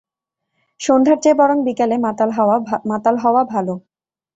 সন্ধ্যার চেয়ে বরং বিকালে মাতাল হওয়া ভালো।